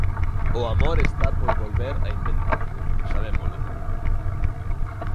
O amor está por volver a inventar, sabémolo.